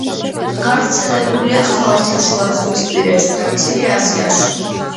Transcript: გავრცელებულია ხმელთაშუაზღვისპირეთში და მცირე აზიაში.